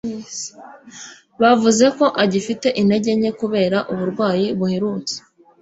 Bavuze ko agifite intege nke kubera uburwayi buherutse.